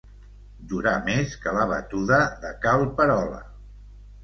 Durar més que la batuda de cal Perola.